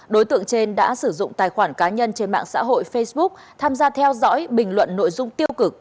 đối tượng trên đã sử dụng tài khoản cá nhân trên mạng xã hội facebook tham gia theo dõi bình luận nội dung tiêu cực